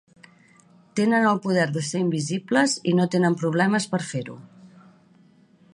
Tenen el poder de ser invisibles i no tenen problemes per fer-ho!